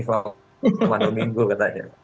selama dua minggu katanya